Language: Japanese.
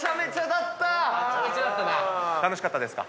楽しかったですか？